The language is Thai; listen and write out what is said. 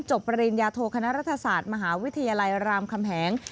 ปริญญาโทคณะรัฐศาสตร์มหาวิทยาลัยรามคำแหง